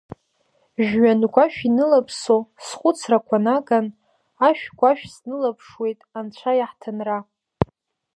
Жәҩангәашәинылаԥсо схәыцрақәа наган, ашә-гәашәснылаԥшуеит анцәа иаҳҭынра.